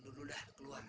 duduk dah keluar